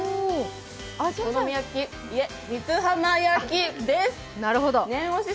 お好み焼き、いえ、三津浜焼きです。